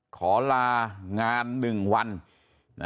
ขอลางาน๑วัน